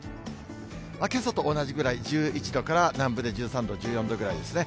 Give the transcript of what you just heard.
けさと同じぐらい、１１度から南部で１３度、１４度ぐらいですね。